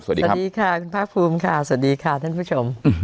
สวัสดีค่ะคุณภาคภูมิค่ะสวัสดีค่ะท่านผู้ชม